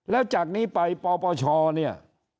แล้วจากนี้ไปปปชเนี่ย